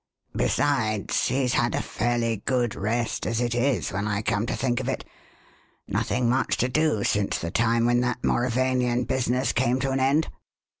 Besides, he's had a fairly good rest as it is, when I come to think of it. Nothing much to do since the time when that Mauravanian business came to an end.